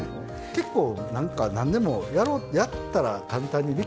結構なんか何でもやったら簡単にできるもんですよね。